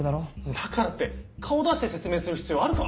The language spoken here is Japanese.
だからって顔出して説明する必要あるか？